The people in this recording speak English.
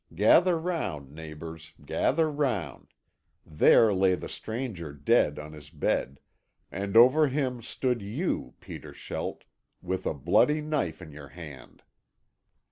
Gather round, neighbours, gather round. There lay the stranger dead on his bed, and over him stood you, Peter Schelt, with a bloody knife in your hand.